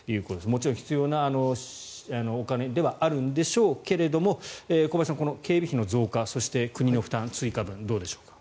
もちろん必要なお金ではあるんでしょうけど小林さん、警備費の増加国の負担、追加分どうでしょうか。